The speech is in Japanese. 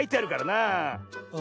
あ！